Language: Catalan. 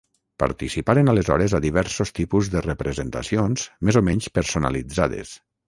Participaren aleshores a diversos tipus de representacions més o menys personalitzades.